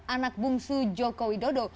anak bungsu jokowi dodo